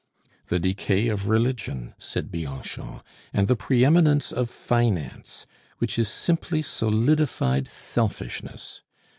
"The decay of religion," said Bianchon, "and the pre eminence of finance, which is simply solidified selfishness.